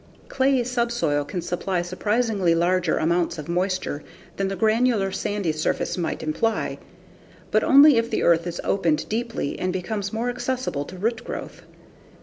Clayey subsoil can supply surprisingly larger amounts of moisture than the granular sandy surface might imply, but only if the earth is opened deeply and becomes more accessible to root growth.